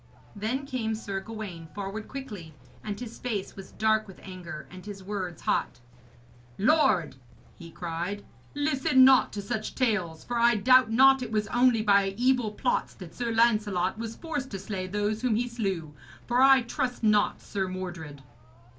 Then came Sir Gawaine forward quickly, and his face was dark with anger and his words hot. 'Lord,' he cried, 'listen not to such tales, for I doubt not it was only by evil plots that Sir Lancelot was forced to slay those whom he slew. For I trust not Sir Mordred.'